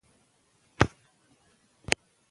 د ګیدړ پر ځای پخپله پکښي ګیر سو